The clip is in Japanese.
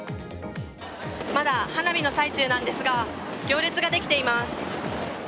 まだ花火の最中なんですが、行列ができています。